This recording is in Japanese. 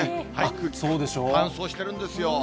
空気乾燥してるんですよ。